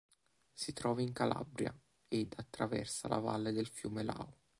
Si trova in Calabria ed attraversa la valle del fiume Lao.